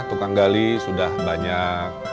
tukang gali sudah banyak